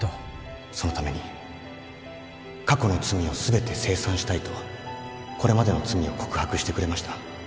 そのために過去の罪を全て清算したいとこれまでの罪を告白してくれました